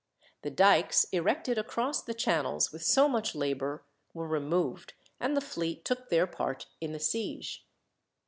The dikes, erected across the channels with so much labour, were removed, and the fleet took their part in the siege.